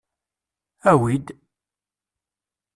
Awi-d!